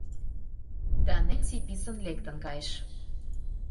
— Да Ненси писын лектын кайыш.